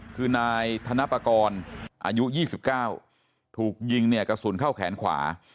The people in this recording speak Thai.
คือนายธนปกรณ์อายุ๒๙ถูกยิงเนี่ยกระสุนเข้าแขนขวา